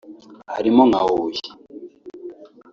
harimo nka Huye